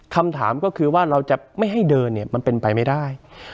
คำถามก็คือว่าเราจะไม่ให้เดินเนี่ยมันเป็นไปไม่ได้